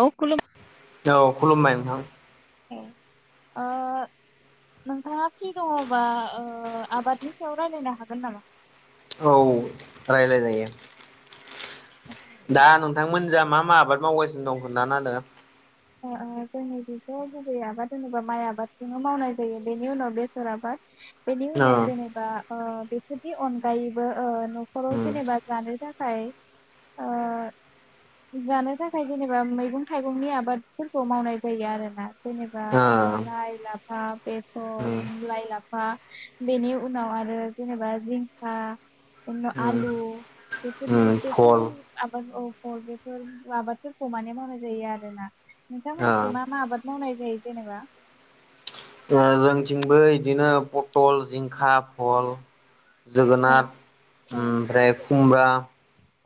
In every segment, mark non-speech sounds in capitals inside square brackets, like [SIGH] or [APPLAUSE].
औ खुलुम औ खुलुमबाय नोंथां ए ओ नोंथाङा फ्रि दङबा आबादनि सायाव रायजलायनो हागोन नामा औ रायलाय जायो दा नोंथांमोन जा मा मा आबाद मावगासिनो दं खोनथाना होदो ओ जोंनि जिथ' गुबै आबाद होनोबा माइ आबादजोंनो मावनाय जायो बेनि उनाव बेसर आबाद बेनि ओ उनाव जेनेबा ओ बेफोरनि अनगायैबो ओ न'खराव उम जेनेबा जानो थाखाय ओ जानो थाखाय जेनेबा मैगं थाइगंनि आबाद फोरखौ मावनाय जायो आरोना जेनेबा ओ लाइ लाफा उम बेसर लाइ लाफा बेनि उनाव आरो जेनेबा जिंखा उम आलु बेफोरनि उम बेफोर फल आबाद ओ बेफोर आबादफोरखौ माने मावनाय जायो आरोना नोंथां मोननि ओ थिं मा मा आबाद मावनाय जायो जेनेबा ओ जोंथिंबो इदिनो पथल जिंखा फल औ जोगोनार ए ओमफ्राय खुमब्रा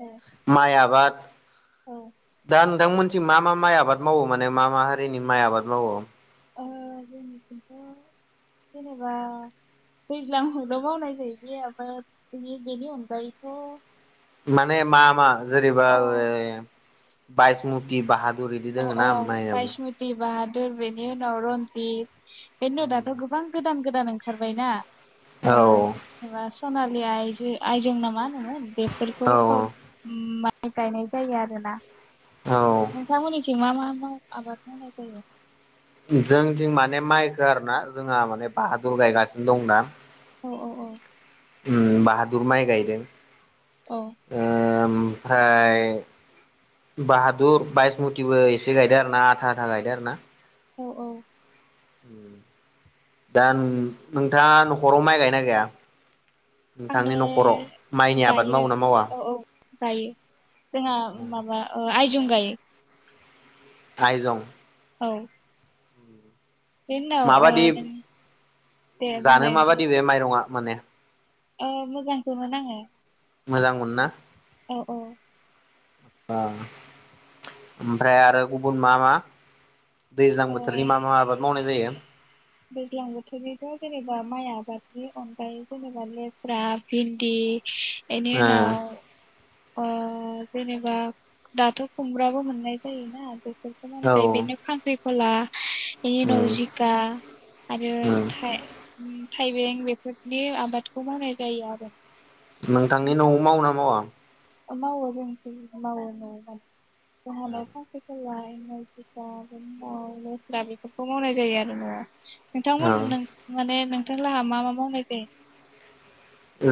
ए माइ आबाद औ दा नोंथांमोन थिं मा मा माइ आबाद मावो माने मा मा हारिनि माइ आबाद मावो? ओ जोंनिखौनथ' जेनेबा दैज्लां आवल'मावनाय जायो गैया बाद बिनि बेनि अनगायैथ' माने मा मा? जोरबा औ [UNINTELLIGIBLE] बायसमुथि बाहाद अ अ बासमति बाद बेनि उनाव रन्जिद बे दाथ' गोबां गोदान गोदान ओंखारबाय ना ओ औ बास सनालि आइ आयजों नामा होनो? औ बेफोरखौ गायनाय जायो आरोना। औ नोंथांमोननिथिं मा मा मा आबाद मावनाय जायो? जों थिं माने माइखौ आरो ना जोंहा माने बाहादुर गायगासिनो दंदा। औ औ औ उम बाहादुर माइ गायदों। अ ओमफ्राय बाहादुर बायसमुथिबो एसे गायदो आरो ना आथा आथा गायदो आरो ना। औ औ दा नोंथाङा न'खराव माइ गायोना गाया? आङो नोंथांनि न'खराव माइनि आबाद गायो मावो ना मावा औ औ गायो जोंहा माबा आइ जं गायो। आइजं औ बेनि उनाव ओ माबादि नों दे जानो बुंलाय नोंथां माबादि बे माइरंआ? माने ओ मोजांखौनो नाङो। मोजांमोनना? औ औ आसा ओमफ्राय आरो गुबुन मा मा दैज्लां औ बोथोरनि मा मा आबाद मावनाय जायो? दैज्लां बोथोरनिथ' जेनेबा माइ आबादनि अनगायै जेनेबा लेस्रा भिन्दि इनि उनाव अ जेनेबा दाथ' खुमब्राबो मोननाय जायोना ओ औ [UNINTELLIGIBLE] खला इनि उनाव उम जिका आरो उम थाइ थाइबें बेफोरनि आबादखौ मावनाय जायो आरो। नोंथांनि नोंथां न'आव मावोना मावा? मावो जोंनिथि मावो न'आव [UNINTELLIGIBLE] [UNINTELLIGIBLE] जिखा बेनि उनाव लेस्रा बेफोरखौ मावनाय जायो आरो ना नोंथांमोन नों माने नों नोंथांलाहा मा मा मावनाय जायो?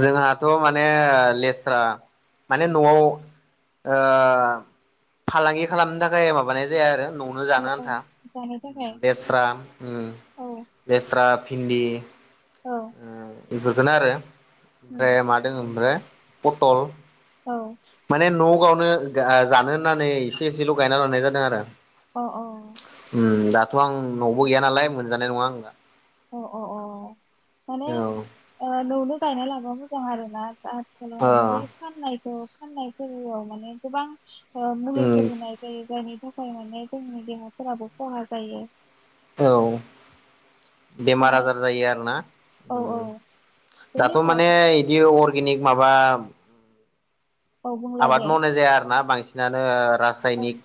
जोंहाथ' माने लेस्रा माने न'आव ओ फालांगि खालामनो थाखाय माबानाय जाया आरो न'आवनो औ जानो ओम औ आन्था जानो थाखाय लेस्रा ओम औ लेस्रा भिन्दि औ ओ [UNINTELLIGIBLE] आरो उम ओमफ्राय मा दोङो आमफ्राय? पटल औ माने न' आवनो गा जानो होननानै एसे एसेल' गायना लानाय जादों आरो अ अ उम दाथ' आं न'आवबो गैया नालाय मोनजानाय नङा आं दा अ अ अ माने औ ओ न'आवनो गायना लाबा मोजां आरोना जा ओ [UNINTELLIGIBLE] फान्नायखौ माने गोबां। उम मुलिफोर होनाय जायो थाखाय। उफाय माने जोंनि देहाफोराबो खहा जायो। औ। ओ बेमार आजार जायो आरो ना? औ औ उम बेनि दाथ माने उनाव बिदि अ अर्गेनिक माबा औ बुंलाय दे आबाद मावनाय जाया आरो ना बांसिन। बिसिनानो औ रासायनिक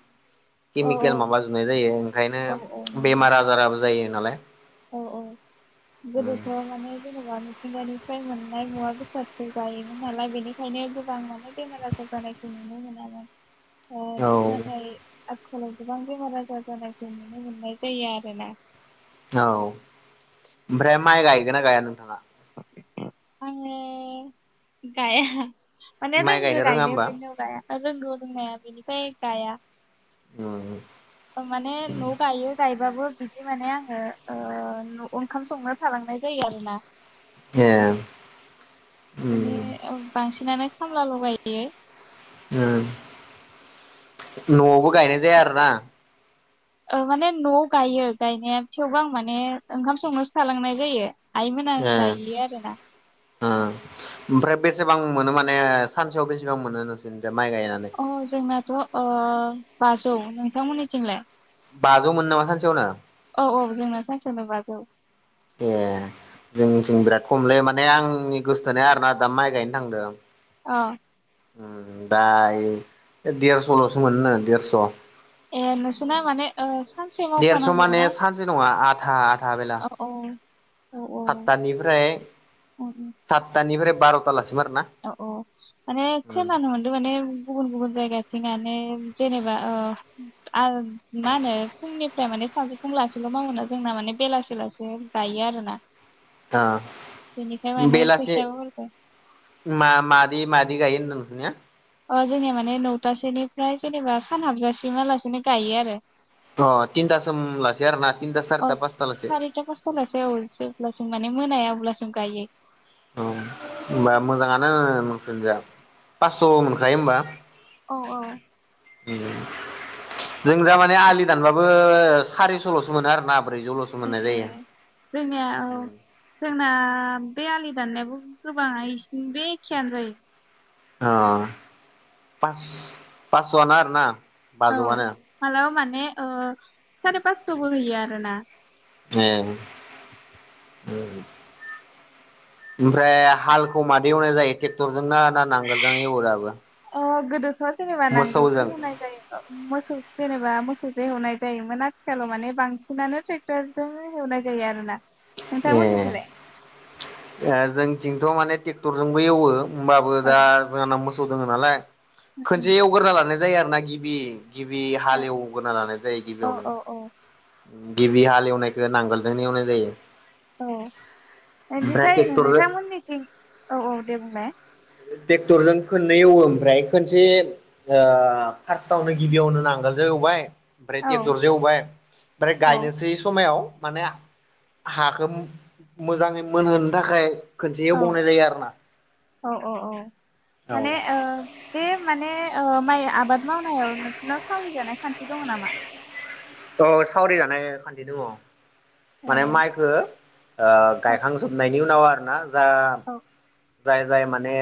औ केमिकेल माबा जुनाय जायो। औ औ ओंखायनो नंगौ बेमार आजाराबो जायो नालाय। औ औ गोदोखौ माने जेन'बा बखंबारानिफ्राय मोननाय मुवा बेसादफोर जायोमोन नालाय, बेनिखायनो गोबां मानोे बेमार आजार जारानायखौ नुनो मोन आरो। औ नाथाय। आथिखालाव गोबां बेमार आजार जानायखौ नुनो मोननाय जायो आरोना। औ ओमफ्राय माइ गायगोन ना गाया नोंथाङा? आङो गाया। मान माइ रग गायनो रोङा गायनाय होमबा बेनो गाया। आरो रोंगौदोंंनायाया बिनिफ्राय गाया। [UNINTELLIGIBLE] माने न गायो गाय बाबो बिदि माने आङो ओंखाम संनो थालांनाय जायो आरोना। ए। बि उम बांसिनानो खामला लगायो। नआवबो गायनाय जाया आर ना। माने नआव गायो गायनाया थेवबोा आं माने ओंखाम संनोसो थालांनाय जायो। यम नां ए गाय आरोना। ओमफ्राय बेसेबां मोनो माने सानसेयाव बेसेबां मोनो नोंसोरनि? अ जोंनाथ अ। औौ नोंथांमोननिथिंलाय? बाजौमोन नामा? सानसेयावनो। औ औ जोंना सानसेनि बाजौ। ए जोंथिं बिराद खमलै माने आंनि गोसथोना आरोना दा माइ गायनो थांदों। औ। दा देरसलसो मोनो देरस ए निसिना माने‌ अ देरस माने सानसे नङा आधा आधा बेला औ औ औ औ सातथानिफ्राय उम, उम, सातथानिफ्राय। बार'था ला औ औ माने खोनानो मोनदों माने गुबुन गुबुन जायगाथिं माने जेनेबा मा होनो फुंनिफ्राय माने सानजौ फुंलासल मावो जोंना माने बेलासे लासे गायो आरो ना बेनिखाय माने बेलासे फैसायो हरबाय मा मादि मादि गायो होनदों नोंसिना अ जोंनिया माने नौथासेोनिफ्राय जेनेबा सान हाबजासिमालासिनो गायो आरो अ तिनथासिम लासै आरो ना तिनथा अ सारिथा पासथालासे सारिता पासतालासे औ जेब्लाो माने मोनाया अब्ला जों गायो ओ होमबा मोजाङानो नोंसिनि जा पास्स' मोनखायो होमबा औ औ जों दा माने आलि दानबाबो सारिस' ल'सो मोनो आरोना ब्रैजौल'सो ए मोननाय जायो। ए जोंनिया औ जोंना बे आलि दाननायाबो गोबाङा इसिनि बे एखेयानो जायो। आ पास पास्स आनो आरो ना औ मालाबा मानो माने ओ सारि पास्स'बो हैयो आरोना ए ओमफ्राय हालखौ मादो एवनाय जायो ट्रेक्टरजोंना ना नांगोलजों एवो दाबो अ गोदो जेनेबा नांगोलजों मोसौजों एवनाय जायो मोसौ जेनेबा मोसौ मोसौजो हेवनाय जायोमोन आथिखालाव माने बांसिनानो ट्रेक्टरजों हेवनाय जायो आरो ना ए जोंनि थिंथ' माने टेक्टरजोंबो एवो होमबाबो औ दा जोहाना मो सौ दङो नालाय उम खोनसे एवगारना लाना य जायो आरो ना गिबि गिबि औ हालेवग्रोना लानाय जायो औ गिबियावनो औ औ गिबि हालेवनो नांगोलजोंनो एवनाय जायो औ ओमफ्राय बिनिफाय ट्रेक्टरजों नोंथांमोननिथिं औ औ दे बुंलाय टेक्टरजों खन्नै एवो ओमफ्राय खनसे ओ फार्स्टावनो गिबियावनो नांगोलजों एवबाय ओमफ्राय औ टेकटरजो एवबाय ओमफ्राय औ गायनोसै समायाव माने हाखौ मोजाङै मोनहोनो थाखाय खनसे एवबावनाय जायो आरो ना अ अ माने ओ बे माने ओ माइ आबाद मावनायाव नोंसोरनाव सावरि जानाय खान्थि दङ' नामा? औ सावरि जानाय खान्थि दङ'। ए माने माइखो ओ गायखांजोबनायनि नि उनाव आरोना दा औ जाय जाय माने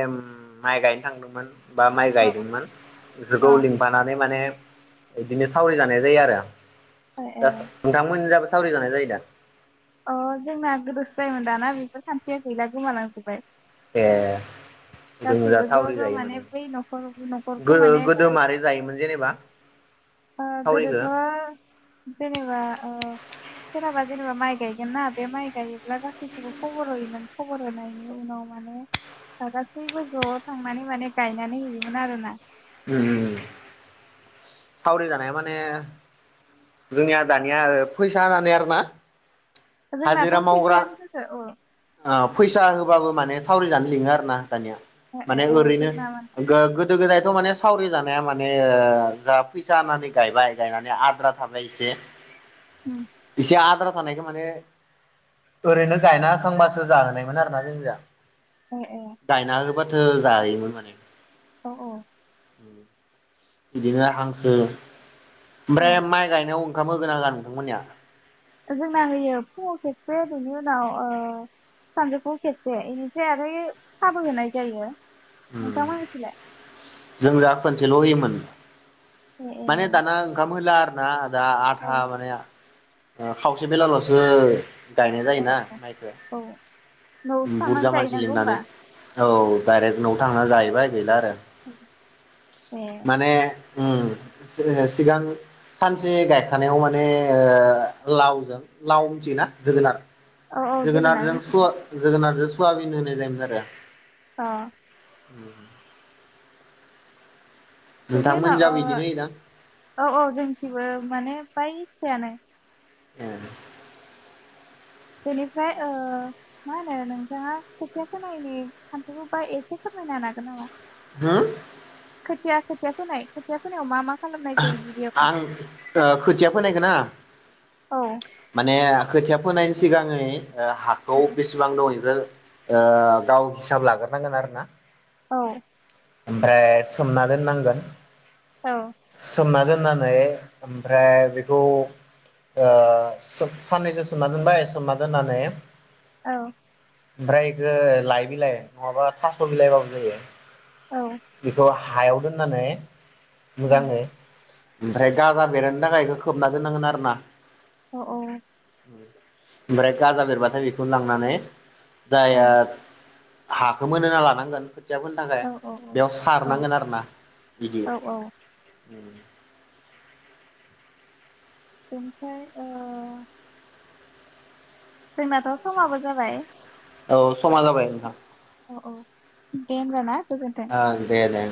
माइ गायनो थांदोंमोन बा माइ औ गायदोंमोन बिसोरखौ औ लिंफानानै माने बिदिनो सावरि जानाय जायो आरो। अ ए ए दास नोंथांमोनिजाबा सावरि जानाय जायो दा? अ जोंना गोदोसो जायोमोन दाना बेफोर खान्थिया गैला गोमालांजोबबाय। ए। जों जा गासैबो ज' सावरि ज' जायो माने बै न'खर न'खरखौ माने गोदो मारै जायोमोन जेनेबा ओ सावरिखौ गोदोथ' जेनेबा ओ सोरनाबा जेनेबा माइ गायगोन ना बे माइ गायोब्ला गासैखौबो खबर होयोमोन खबर होनायनि उनाव माने गासै गासैबो ज' थांनानै माने गायनानै हैयोमोन आरोना। उम उम उम। सावरि जानाया माने जोंनिया दानिया ओ फैसा होनानै आरोना। जोंनाथ' फैसायानो जाथो ओ। अ फैसा होबाबो माने सावरि जानो लिङो आरोना। दानिया ए ए माने ए ओरैनो जोंना मा- गो-गोदो गोदाय थ' माने सावरि जानाया माने ओ जाहा फैसा होननानै गायबाय गायनानै आद्रा थाबाय एसे उम, इसे आद्रा थानायखो माने ओरैनो गायना थांबासो जाहोनायमोन आरोना जोंनिजा। ए ए गायना होबा सो जायमोन माने औ औ। [INAUDIBLE] बिदिनो हांसो ए ओमफ्राय माइ गायनायाव खाम होगोना होया नोंथांमोननिया? जोंना होयो फुङाव खेबसे बेनि उनाव ओ सानजौफुआव खेबसे इनिफ्राय आरो ए साबो होनाय जायो। उम नोंथांमोननिथिंलाय जोंजाफोन सेल'होयोमोन। ए ए माने दाना ओंखाम होला आरोना। दा औ आथा माने आ ओ खावसे बेलाल'सो गायनाय औ जायोना औ माइखो औ न'आवसो थांनानै बुरजा मानसि जाहैनांगौ होमबा लिंनानै औ डाइरेक्ट न'आव थांना जाहैबाय गैला आरो एह माने उम सिगांओ सिगां सानसे गायखानायाव माने ओ लावजों लाव मिथियोना जोगोनार औ औ जोगोनार जोगोनाथजों मिथिगो सया जोगोनारदो सवाबिनदो मेलेम गारो अ उम बेनि नोंथांमोन उनाव जाबो बिदिनो होयोदां? ओ औ औ जोंथिबो माने फाय एखेआनो ए बेनिफ्राय ओ मा होनो नोंथाङा खोथिया फोनायनि खान्थिखौ बा एसे फोरमायनो हागोन नामा? होम खोथिया खोथिया फोनाय खोथियाव मा मा खालामनाय जायो गिबियावनो आं ओ खोथिया फोनायगोन ना औ माने खोथिया फोनायनि सिगांयै हाखौ बेसेबां दं इखो ओ गाव हिसाब लाग्रोनांगोन आरो ना। औ ओमफ्राय सोमना दोननांगोन औ सोमना दोननानै ओमफ्राय बेखौ ओ सोब साननैसो सोमना दोनबाय सोमना दोननानै औ ओमफ्राय इखो लाइ बिलाइ नङाबा थास' बिलाइबाबो जायो औ बेखौ हायाव दोननानै उम मोजाङै ओमफ्राय गाजा बेरहोनो थाखाय एखो खोबना दोननांगोन आरो ना अ औ ओमफ्राय गाजा बेरबाथाय बेखौनो लांनानै ओं जायार हाखौ मोनहोना लानांगोन खोथिया फोनो थाखाय औ औ बेयाव सारनांगोन आरोना बिदि औ औ [UNINTELLIGIBLE] बेनिफ्राय ओ जोंनाथ' समाबो जाबाय। औ समा जाबाय नोंथां। औ औ दे होनबा ना गोजोन्थों। ओं दे दे